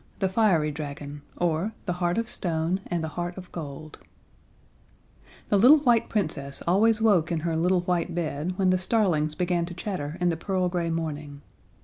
The Fiery Dragon, or The Heart of Stone and the Heart of Gold The little white Princess always woke in her little white bed when the starlings began to chatter in the pearl gray morning.